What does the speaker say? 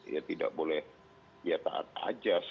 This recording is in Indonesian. ya tidak boleh ya tak ajas